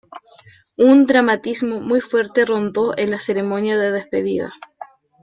Un dramatismo muy fuerte rondó en la Ceremonia de Despedida.